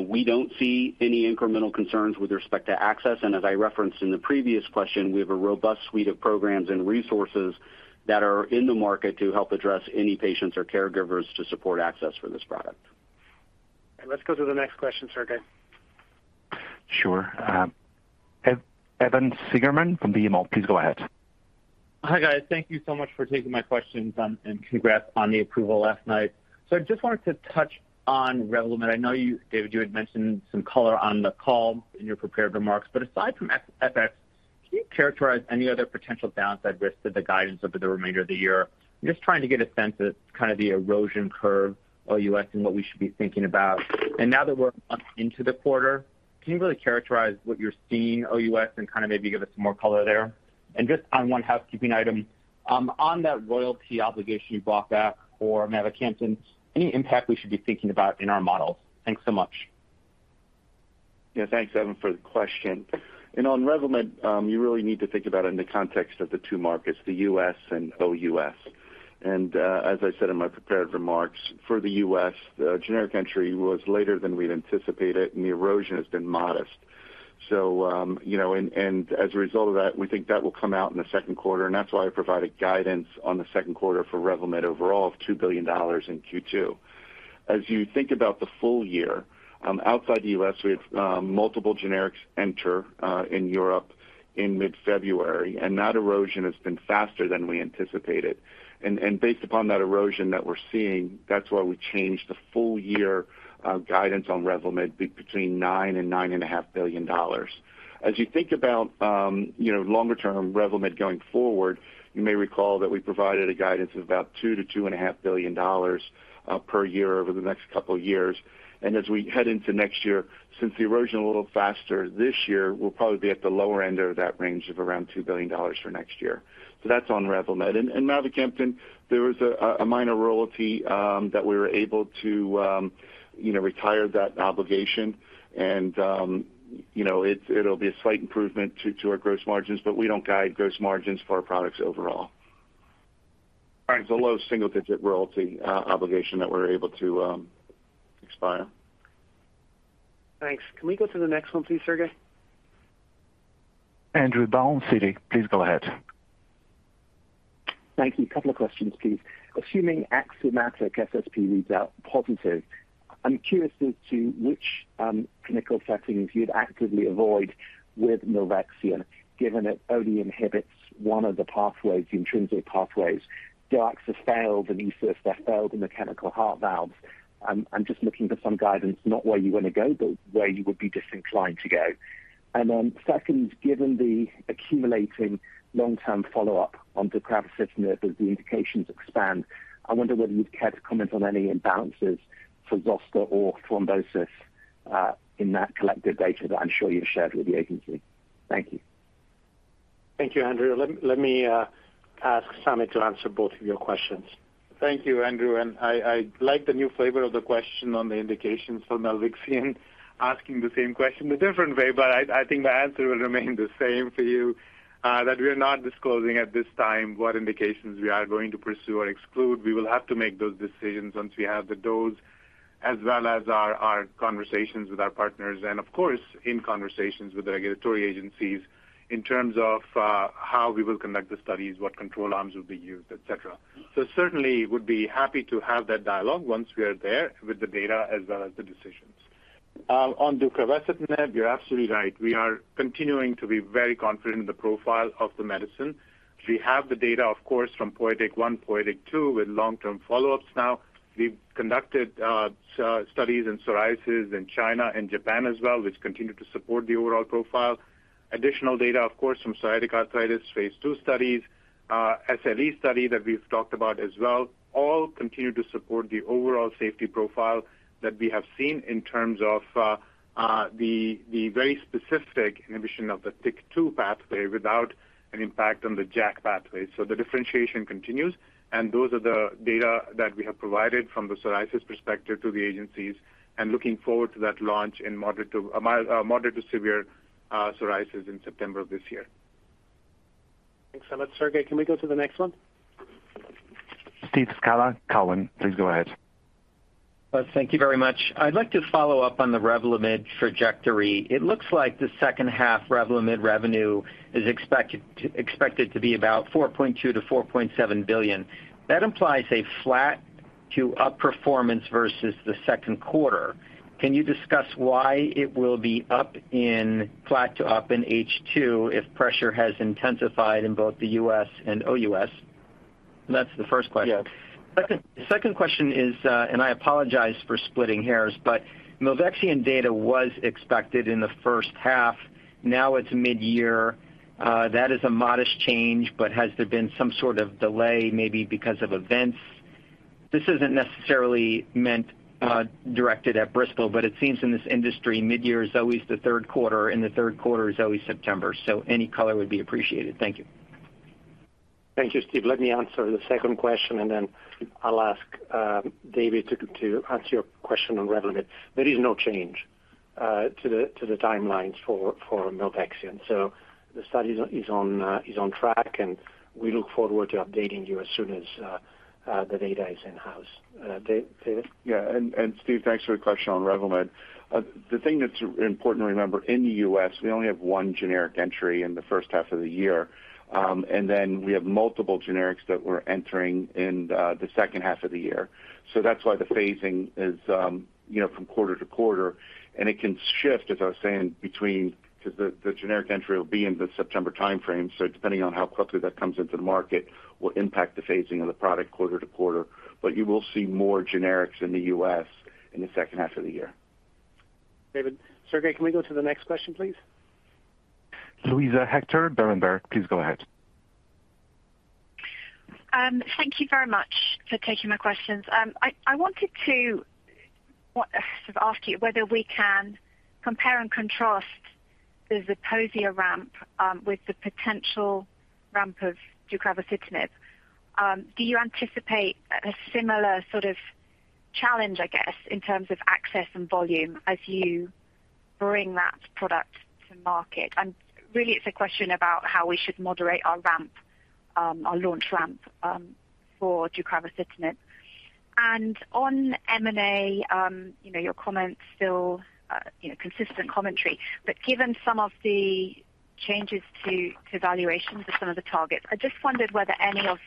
We don't see any incremental concerns with respect to access, and as I referenced in the previous question, we have a robust suite of programs and resources that are in the market to help address any patients or caregivers to support access for this product. Let's go to the next question, Sergei. Sure. Evan Seigerman from BMO, please go ahead. Hi, guys. Thank you so much for taking my questions, and congrats on the approval last night. I just wanted to touch on Revlimid. I know you, David, you had mentioned some color on the call in your prepared remarks, but aside from FX, can you characterize any other potential downside risks to the guidance over the remainder of the year? I'm just trying to get a sense of kind of the erosion curve, OUS, and what we should be thinking about. Now that we're into the quarter, can you really characterize what you're seeing OUS and kind of maybe give us some more color there? Just on one housekeeping item, on that royalty obligation you bought back for mavacamten, any impact we should be thinking about in our models? Thanks so much. Yeah. Thanks, Evan, for the question. On Revlimid, you really need to think about it in the context of the two markets, the U.S. and OUS. As I said in my prepared remarks, for the U.S., the generic entry was later than we'd anticipated, and the erosion has been modest. You know, as a result of that, we think that will come out in the second quarter, and that's why I provided guidance on the second quarter for Revlimid overall of $2 billion in Q2. As you think about the full year, outside the U.S., we have multiple generics enter in Europe in mid-February, and that erosion has been faster than we anticipated. Based upon that erosion that we're seeing, that's why we changed the full year guidance on Revlimid to be between $9 billion and $9.5 billion. As you think about longer term Revlimid going forward, you may recall that we provided a guidance of about $2 billion to $2.5 billion per year over the next couple of years. As we head into next year, since the erosion a little faster this year, we'll probably be at the lower end of that range of around $2 billion for next year. That's on Revlimid. Mavacamten, there was a minor royalty that we were able to retire that obligation. You know, it'll be a slight improvement to our gross margins, but we don't guide gross margins for our products overall. All right. It's a low single-digit royalty obligation that we're able to expire. Thanks. Can we go to the next one, please, Sergei? Andrew Baum, Citi, please go ahead. Thank you. A couple of questions, please. Assuming AXIOMATIC-SSP SSP reads out positive, I'm curious as to which clinical settings you'd actively avoid with milvexian, given it only inhibits one of the pathways, the intrinsic pathways. Glaxo failed and ESUS, they failed in the mechanical heart valves. I'm just looking for some guidance, not where you want to go, but where you would be disinclined to go. Second, given the accumulating long-term follow-up on deucravacitinib as the indications expand, I wonder whether you'd care to comment on any imbalances for zoster or thrombosis in that collective data that I'm sure you've shared with the agency. Thank you. Thank you, Andrew. Let me ask Samit to answer both of your questions. Thank you, Andrew, and I like the new flavor of the question on the indications for milvexian, asking the same question a different way, but I think the answer will remain the same for you, that we are not disclosing at this time what indications we are going to pursue or exclude. We will have to make those decisions once we have the dose, as well as our conversations with our partners and of course, in conversations with the regulatory agencies in terms of how we will conduct the studies, what control arms will be used, et cetera. Certainly would be happy to have that dialogue once we are there with the data as well as the decisions. On deucravacitinib, you're absolutely right. We are continuing to be very confident in the profile of the medicine. We have the data, of course, from POETYK PSO-1, POETYK PSO-2 with long-term follow-ups now. We've conducted studies in psoriasis in China and Japan as well, which continue to support the overall profile. Additional data, of course, from psoriatic arthritis phase 2 studies, SLE study that we've talked about as well, all continue to support the overall safety profile that we have seen in terms of the very specific inhibition of the TYK2 pathway without an impact on the JAK pathway. The differentiation continues, and those are the data that we have provided from the psoriasis perspective to the agencies and looking forward to that launch in moderate to severe psoriasis in September of this year. Thanks so much, Sergei. Can we go to the next one? Steve Scala, Cowen, please go ahead. Thank you very much. I'd like to follow up on the Revlimid trajectory. It looks like the second half Revlimid revenue is expected to be about $4.2 billion-$4.7 billion. That implies a flat to up performance versus the second quarter. Can you discuss why it will be flat to up in H2 if pressure has intensified in both the US and OUS? That's the first question. Yeah. Second question is, and I apologize for splitting hairs, but milvexian data was expected in the first half, now it's mid-year. That is a modest change, but has there been some sort of delay, maybe because of events? This isn't necessarily meant, directed at Bristol, but it seems in this industry, mid-year is always the third quarter, and the third quarter is always September. So any color would be appreciated. Thank you. Thank you, Steve. Let me answer the second question, and then I'll ask David to answer your question on Revlimid. There is no change to the timelines for milvexian. The study is on track, and we look forward to updating you as soon as the data is in-house. David? Steve, thanks for your question on Revlimid. The thing that's important to remember in the U.S., we only have one generic entry in the first half of the year. We have multiple generics that we're entering in the second half of the year. That's why the phasing is, you know, from quarter to quarter, and it can shift, as I was saying, because the generic entry will be in the September timeframe. Depending on how quickly that comes into the market will impact the phasing of the product quarter to quarter. You will see more generics in the U.S. in the second half of the year. David Elkins: Sergei, can we go to the next question, please? Louise Hector, Berenberg, please go ahead. Thank you very much for taking my questions. I wanted to sort of ask you whether we can compare and contrast the Zeposia ramp with the potential ramp of deucravacitinib. Do you anticipate a similar sort of challenge, I guess, in terms of access and volume as you bring that product to market? Really, it's a question about how we should moderate our ramp, our launch ramp, for deucravacitinib. On M&A, you know, your comments still, you know, consistent commentary. Given some of the changes to valuations of some of the targets, I just wondered whether any of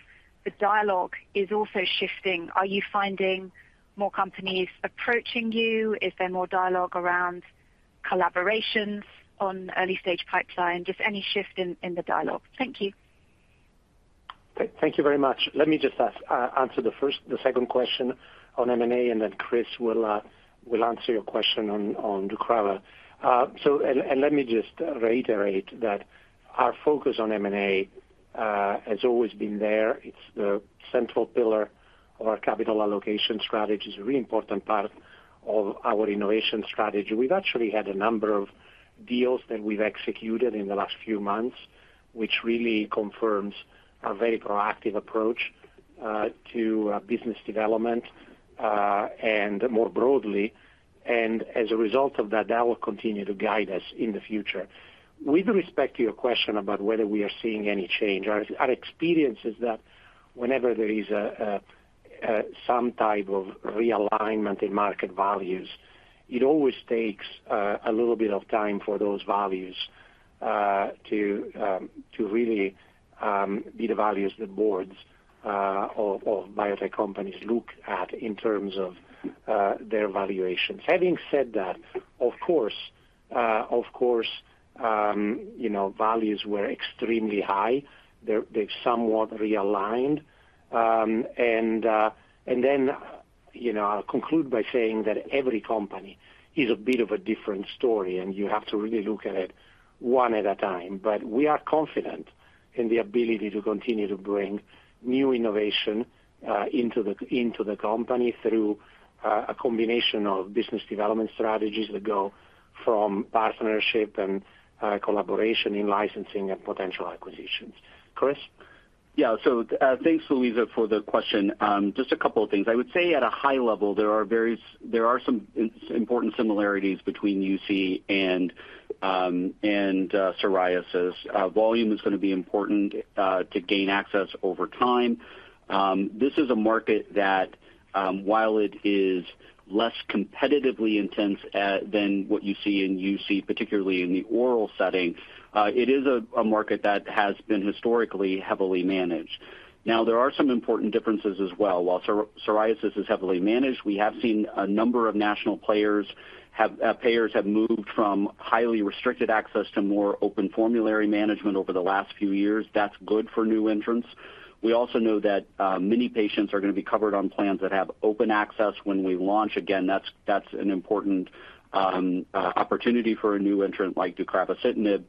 the dialogue is also shifting. Are you finding more companies approaching you? Is there more dialogue around collaborations on early-stage pipeline? Just any shift in the dialogue. Thank you. Thank you very much. Let me just answer the second question on M&A, and then Chris will answer your question on deucravacitinib. Let me just reiterate that our focus on M&A has always been there. It's the central pillar of our capital allocation strategy. It's a really important part of our innovation strategy. We've actually had a number of deals that we've executed in the last few months, which really confirms our very proactive approach to business development and more broadly. As a result of that will continue to guide us in the future. With respect to your question about whether we are seeing any change, our experience is that whenever there is some type of realignment in market values, it always takes a little bit of time for those values to really be the values the boards of biotech companies look at in terms of their valuations. Having said that, of course, you know, values were extremely high. They've somewhat realigned. You know, I'll conclude by saying that every company is a bit of a different story, and you have to really look at it one at a time. We are confident in the ability to continue to bring new innovation into the company through a combination of business development strategies that go from partnership and collaboration in licensing and potential acquisitions. Chris? Yeah, thanks, Luisa, for the question. Just a couple of things. I would say at a high level, there are some important similarities between UC and psoriasis. Volume is gonna be important to gain access over time. This is a market that, while it is less competitively intense than what you see in UC, particularly in the oral setting, it is a market that has been historically heavily managed. Now, there are some important differences as well. While psoriasis is heavily managed, we have seen payers have moved from highly restricted access to more open formulary management over the last few years. That's good for new entrants. We also know that many patients are gonna be covered on plans that have open access when we launch. Again, that's an important opportunity for a new entrant like deucravacitinib.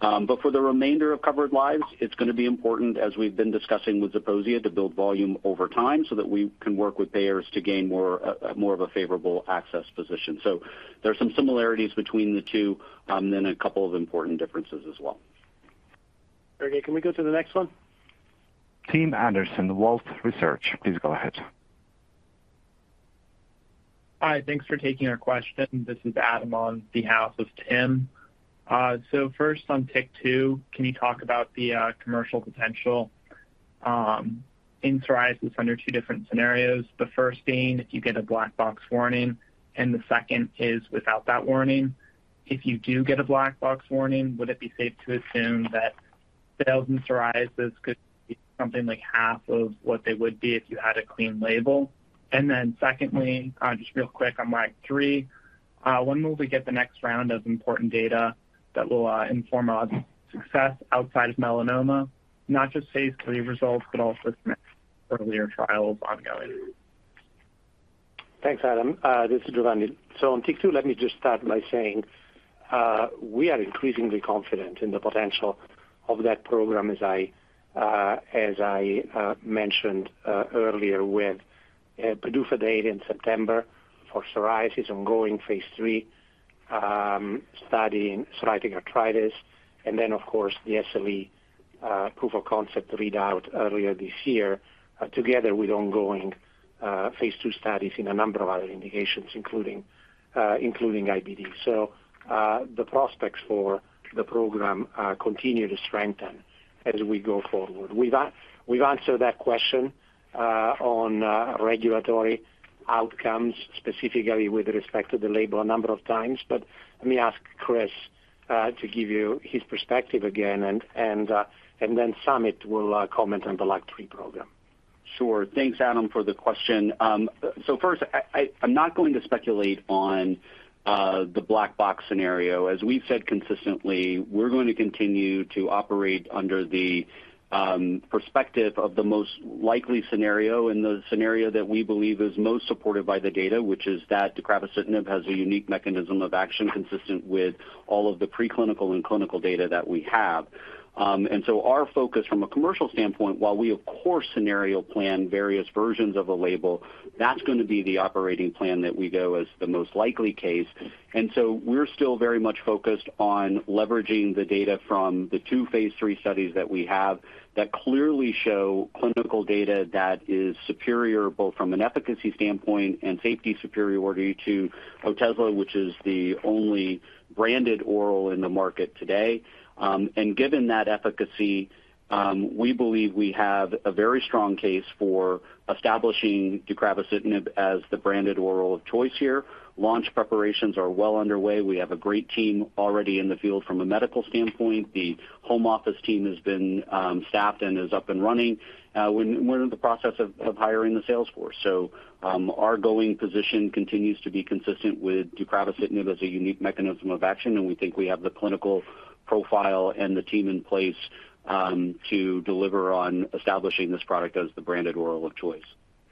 For the remainder of covered lives, it's gonna be important, as we've been discussing with Zeposia, to build volume over time so that we can work with payers to gain more of a favorable access position. There are some similarities between the two, and then a couple of important differences as well. Sergei, can we go to the next one? Tim Anderson, Wolfe Research, please go ahead. Hi. Thanks for taking our question. This is Adam on behalf of Tim. First on TYK2, can you talk about the commercial potential in psoriasis under two different scenarios, the first being if you get a black box warning and the second is without that warning? If you do get a black box warning, would it be safe to assume that sales in psoriasis could be something like half of what they would be if you had a clean label? Then secondly, just real quick on LAG-3, when will we get the next round of important data that will inform on success outside of melanoma? Not just phase III results, but also from earlier trials ongoing. Thanks, Adam. This is Giovanni. On TYK2, let me just start by saying, we are increasingly confident in the potential of that program as I mentioned earlier with a PDUFA date in September for psoriasis ongoing phase III studying psoriatic arthritis. Then, of course, the SLE proof of concept read out earlier this year together with ongoing phase II studies in a number of other indications, including IBD. The prospects for the program continue to strengthen as we go forward. We've answered that question on regulatory outcomes, specifically with respect to the label a number of times. Let me ask Chris to give you his perspective again, and then Samit will comment on the LAG-3 program. Sure. Thanks, Adam, for the question. So first, I'm not going to speculate on the black box scenario. As we've said consistently, we're going to continue to operate under the perspective of the most likely scenario and the scenario that we believe is most supported by the data, which is that deucravacitinib has a unique mechanism of action consistent with all of the preclinical and clinical data that we have. Our focus from a commercial standpoint, while we of course scenario plan various versions of a label, that's gonna be the operating plan that we go as the most likely case. We're still very much focused on leveraging the data from the two phase III studies that we have that clearly show clinical data that is superior, both from an efficacy standpoint and safety superiority to Otezla, which is the only branded oral in the market today. Given that efficacy, we believe we have a very strong case for establishing deucravacitinib as the branded oral of choice here. Launch preparations are well underway. We have a great team already in the field from a medical standpoint. The home office team has been staffed and is up and running. We're in the process of hiring the sales force. Our going position continues to be consistent with deucravacitinib as a unique mechanism of action, and we think we have the clinical profile and the team in place, to deliver on establishing this product as the branded oral of choice.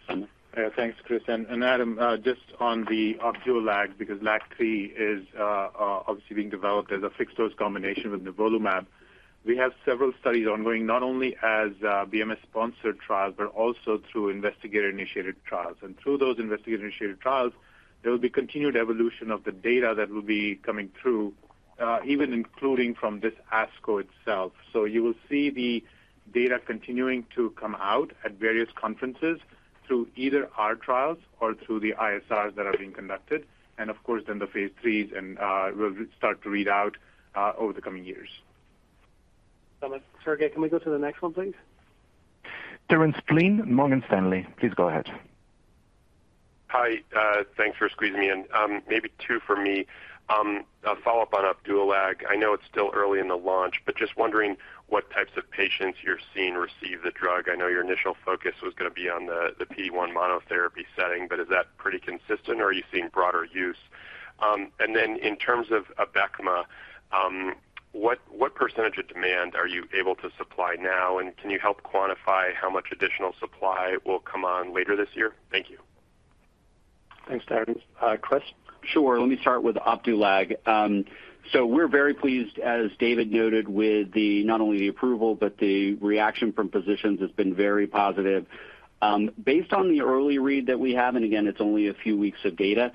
Samit? Thanks, Chris. Adam, just on the Opdualag, because LAG-3 is obviously being developed as a fixed-dose combination with nivolumab, we have several studies ongoing, not only as BMS-sponsored trials, but also through investigator-initiated trials. Through those investigator-initiated trials, there will be continued evolution of the data that will be coming through, even including from this ASCO itself. You will see the data continuing to come out at various conferences through either our trials or through the ISRs that are being conducted, and of course then the phase 3s will start to read out over the coming years. Sergei, can we go to the next one, please? Terence Flynn, Morgan Stanley. Please go ahead. Hi. Thanks for squeezing me in. Maybe two for me. A follow-up on Opdualag. I know it's still early in the launch, but just wondering what types of patients you're seeing receive the drug. I know your initial focus was gonna be on the PD-1 monotherapy setting, but is that pretty consistent or are you seeing broader use? And then in terms of Abecma, what percentage of demand are you able to supply now? And can you help quantify how much additional supply will come on later this year? Thank you. Thanks, Terence. Chris? Sure. Let me start with Opdualag. We're very pleased, as David noted, with not only the approval, but the reaction from physicians has been very positive. Based on the early read that we have, and again, it's only a few weeks of data,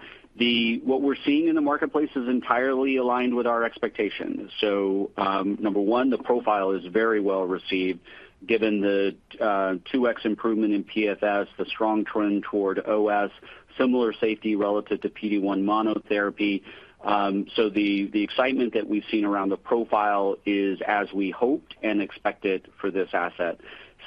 what we're seeing in the marketplace is entirely aligned with our expectations. Number one, the profile is very well received given the 2x improvement in PFS, the strong trend toward OS, similar safety relative to PD-1 monotherapy. The excitement that we've seen around the profile is as we hoped and expected for this asset.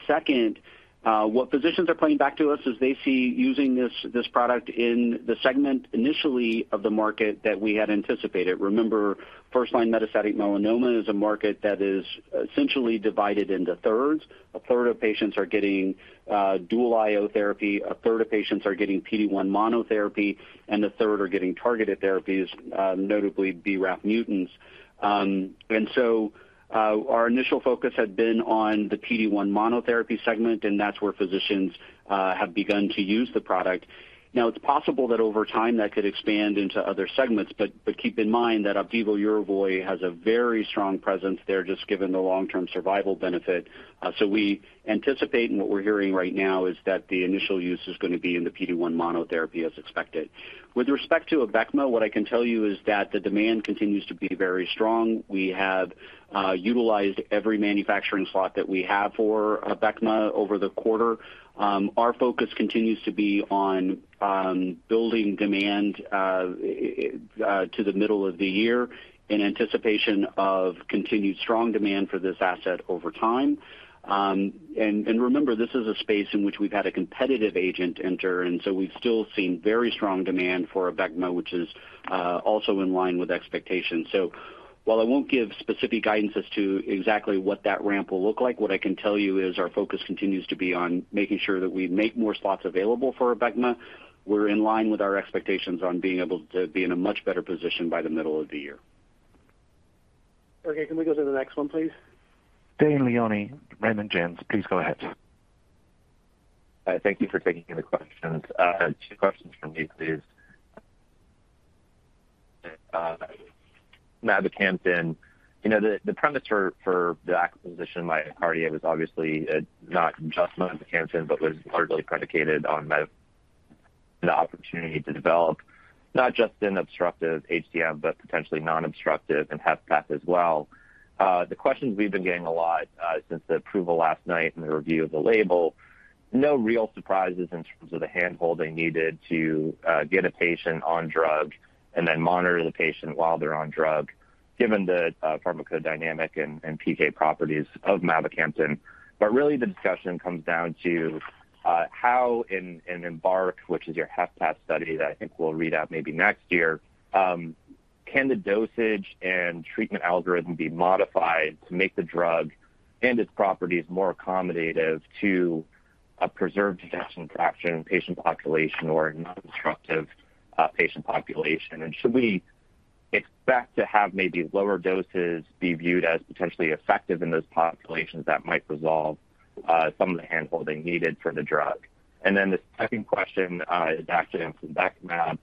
Second, what physicians are playing back to us is they see using this product in the segment initially of the market that we had anticipated. Remember, first line metastatic melanoma is a market that is essentially divided into thirds. A third of patients are getting dual IO therapy, a third of patients are getting PD-1 monotherapy, and a third are getting targeted therapies, notably BRAF mutants. Our initial focus had been on the PD-1 monotherapy segment, and that's where physicians have begun to use the product. Now, it's possible that over time, that could expand into other segments, but keep in mind that Opdivo and Yervoy has a very strong presence there, just given the long-term survival benefit. We anticipate and what we're hearing right now is that the initial use is gonna be in the PD-1 monotherapy as expected. With respect to Abecma, what I can tell you is that the demand continues to be very strong. We have utilized every manufacturing slot that we have for Abecma over the quarter. Our focus continues to be on building demand to the middle of the year in anticipation of continued strong demand for this asset over time. Remember, this is a space in which we've had a competitive agent enter, and so we've still seen very strong demand for Abecma, which is also in line with expectations. While I won't give specific guidance as to exactly what that ramp will look like, what I can tell you is our focus continues to be on making sure that we make more slots available for Abecma. We're in line with our expectations on being able to be in a much better position by the middle of the year. Okay. Can we go to the next one, please? Dane Leone, Raymond James, please go ahead. Thank you for taking the questions. Two questions from me, please. Mavacamten. You know, the premise for the acquisition by MyoKardia was obviously not just mavacamten, but was largely predicated on the opportunity to develop not just in obstructive HCM, but potentially non-obstructive and HFpEF as well. The questions we've been getting a lot since the approval last night and the review of the label, no real surprises in terms of the handholding needed to get a patient on drug and then monitor the patient while they're on drug, given the pharmacodynamic and PK properties of mavacamten. Really the discussion comes down to how in EMBARK-HFpEF, which is your HFpEF study that I think we'll read out maybe next year, can the dosage and treatment algorithm be modified to make the drug and its properties more accommodative to a preserved ejection fraction patient population or a non-obstructive patient population? And should we expect to have maybe lower doses be viewed as potentially effective in those populations that might resolve some of the handholding needed for the drug? And then the second question is actually on cendakimab.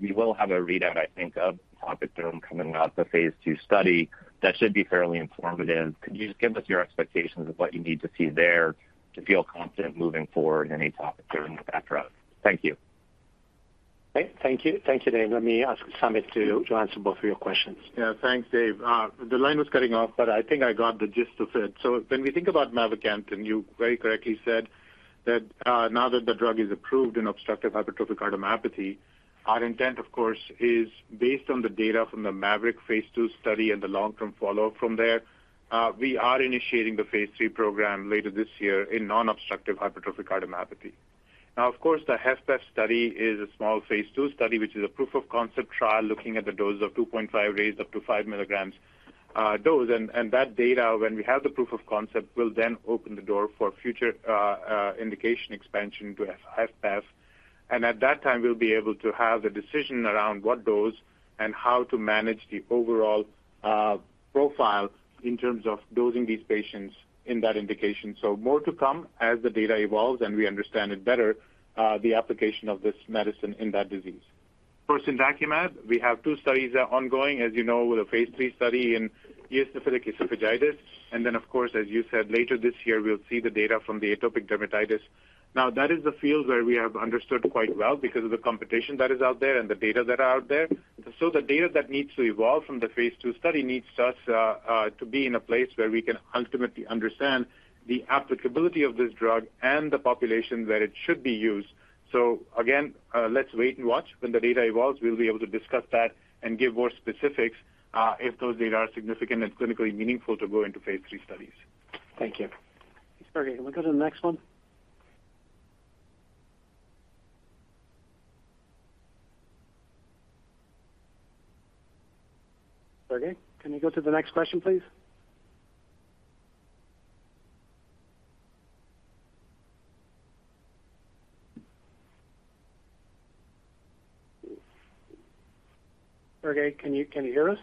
We will have a readout, I think, of TOPIC-DOM coming out, the phase 2 study. That should be fairly informative. Could you just give us your expectations of what you need to see there to feel confident moving forward in atopic dermatitis or that route? Thank you. Great. Thank you. Thank you, Dane. Let me ask Samit to answer both of your questions. Yeah, thanks, Dane. The line was cutting off, but I think I got the gist of it. When we think about mavacamten, you very correctly said that, now that the drug is approved in obstructive hypertrophic cardiomyopathy, our intent, of course, is based on the data from the MAVERICK-HCM phase 2 study and the long-term follow-up from there. We are initiating the phase 3 program later this year in non-obstructive hypertrophic cardiomyopathy. Now, of course, the HFpEF study is a small phase 2 study, which is a proof of concept trial looking at the dose of 2.5 ramped up to 5 milligrams dose. That data when we have the proof of concept will then open the door for future indication expansion to HFpEF. At that time, we'll be able to have the decision around what dose and how to manage the overall profile in terms of dosing these patients in that indication. More to come as the data evolves and we understand it better the application of this medicine in that disease. Of course, in cendakimab, we have 2 studies that are ongoing, as you know, with a phase 3 study in eosinophilic esophagitis. Then of course, as you said, later this year we'll see the data from the atopic dermatitis. Now, that is the field where we have understood quite well because of the competition that is out there and the data that are out there. The data that needs to evolve from the phase 2 study needs us to be in a place where we can ultimately understand the applicability of this drug and the population where it should be used. Again, let's wait and watch. When the data evolves, we'll be able to discuss that and give more specifics if those data are significant and clinically meaningful to go into phase 3 studies. Thank you. Sergei, can we go to the next one? Sergei, can we go to the next question, please? Sergei, can you hear us?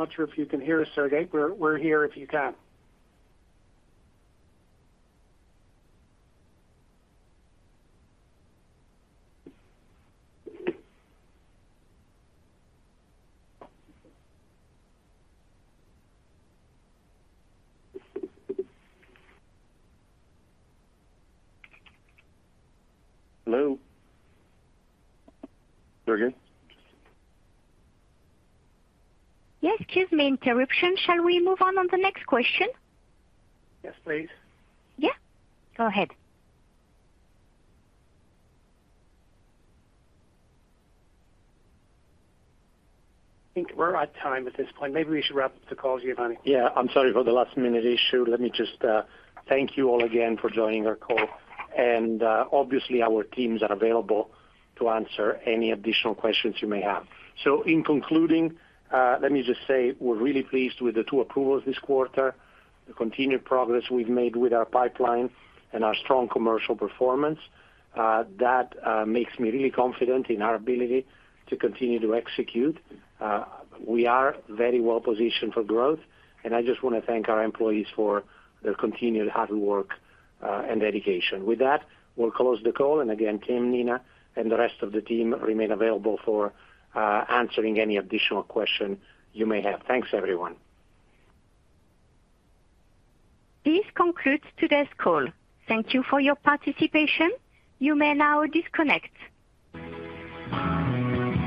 I'm not sure if you can hear us, Sergei. We're here if you can. Hello? Sergei? Yes. Excuse me. Interruption. Shall we move on to the next question? Yes, please. Yeah, go ahead. I think we're out of time at this point. Maybe we should wrap the call, Giovanni. Yeah, I'm sorry for the last-minute issue. Let me just thank you all again for joining our call. Obviously, our teams are available to answer any additional questions you may have. In concluding, let me just say we're really pleased with the two approvals this quarter, the continued progress we've made with our pipeline, and our strong commercial performance. That makes me really confident in our ability to continue to execute. We are very well positioned for growth, and I just wanna thank our employees for their continued hard work and dedication. With that, we'll close the call. Again, Tim, Nina, and the rest of the team remain available for answering any additional question you may have. Thanks, everyone. This concludes today's call. Thank you for your participation. You may now disconnect.